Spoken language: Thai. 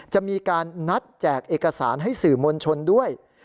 จะมีการนัดแจกเอกสารให้สื่อมวลชนด้วย